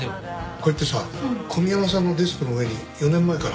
これってさ小宮山さんのデスクの上に４年前からある。